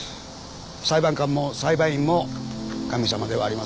裁判官も裁判員も神様ではありません。